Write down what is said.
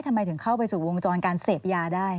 ทำไมถึงเข้าไปสู่วงจรการเสพยาได้